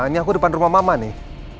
ini aku depan rumah mama nih